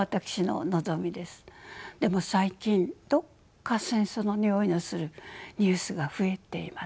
でも最近どこか戦争のにおいのするニュースが増えています。